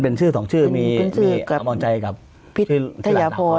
ก็ตั้งใจกับพิษทะยาโพน